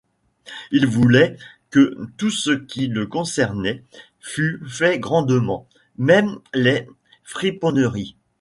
Il voulait que tout ce qui le concernait fût fait grandement, même les friponneries.